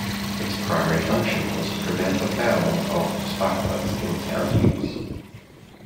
Its primary function was to prevent fouling of the sparkplugs in town use.